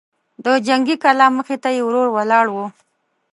د جنګي کلا مخې ته يې ورور ولاړ و.